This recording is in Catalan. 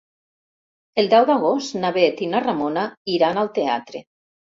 El deu d'agost na Bet i na Ramona iran al teatre.